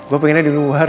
gue pengennya di luar